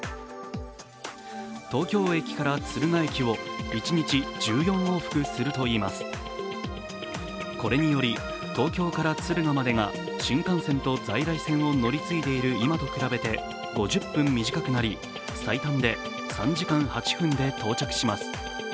東京駅から敦賀駅を一日１４往復するといいますこれにより、東京から敦賀までが新幹線と在来線を乗り継いでいる今と比べて５０分短くなり最短で３時間８分で到着します。